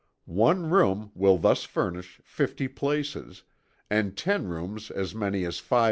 One room will thus furnish 50 places, and ten rooms as many as 500.